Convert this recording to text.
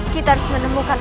kita harus menemukan